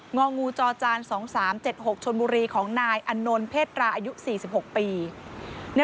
องูจอจาน๒๓๗๖ชนบุรีของนายอนนท์เพศราอายุ๔๖ปี